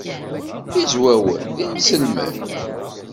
Izwawen d inselmen.